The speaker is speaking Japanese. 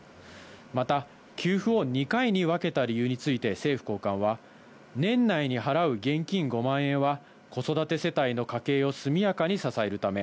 また、給付を２回に分けた理由について、政府高官は、年内に払う現金５万円は、子育て世帯の家計を速やかに支えるため。